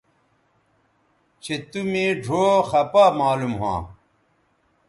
چہء تُو مے ڙھؤ خپا معلوم ھواں